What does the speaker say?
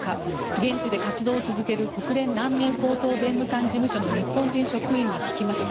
現地で活動を続ける国連難民高等弁務官事務所の日本人職員に聞きました。